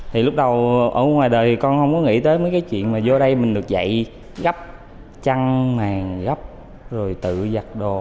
thì lúc đầu ở ngoài đời thì con không có nghĩ tới mấy cái chuyện mà vô đây mình được dạy gắp chăn màng gắp rồi tự giặt đồ